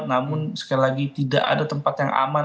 namun sekali lagi tidak ada tempat yang aman